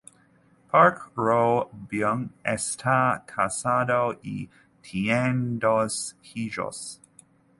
Park Ro-byug está casado y tiene dos hijos.